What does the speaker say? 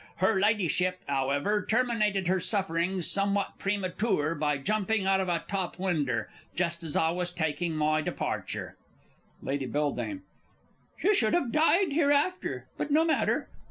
Her Ladyship, 'owever, terminated her sufferings somewhat prematoor by jumping out of a top winder just as I was taking my departure Lady B. She should have died hereafter but no matter